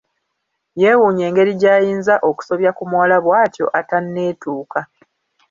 Yeewuunya engeri gy'ayinza okusobya ku muwala bw'atyo atanneetuuka.